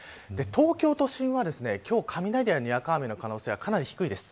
東京都心は今日は雷やにわか雨の可能性がかなり低いです。